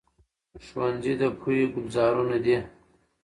ښوونځي د پوهې ګلزارونه دي.